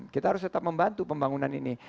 kita harus tetap membantu pembangunan ini